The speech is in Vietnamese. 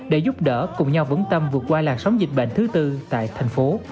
để giúp đỡ cùng nhau vững tâm vượt qua làn sóng dịch bệnh thứ tư tại thành phố